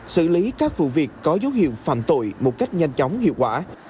xử lý các vụ việc có dấu hiệu phạm tội một cách nhanh chóng hiệu quả